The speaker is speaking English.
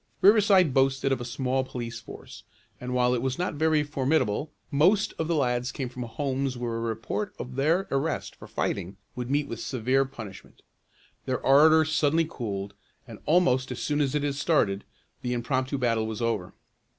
Riverside boasted of a small police force, and while it was not very formidable, most of the lads came from homes where a report of their arrest for fighting would meet with severe punishment. Their ardor suddenly cooled and, almost as soon as it had started, the impromptu battle was over.